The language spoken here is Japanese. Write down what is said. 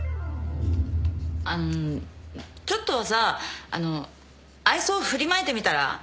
あちょっとはさあの愛想振りまいてみたら？